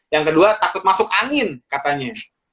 yang kedua takut masuk angin katanya